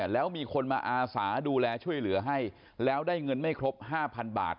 แล้วมีคนมาอาสาดูแลช่วยเหลือให้แล้วได้เงินไม่ครบ๕๐๐บาท